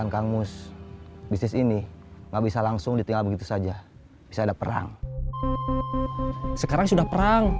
kenapa yaent ohm